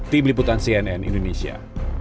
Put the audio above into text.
tim liputan cnn indonesia